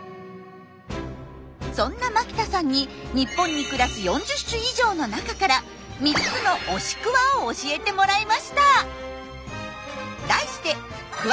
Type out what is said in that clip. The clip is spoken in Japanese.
そんな牧田さんに日本に暮らす４０種以上の中から３つの「推しクワ」を教えてもらいました。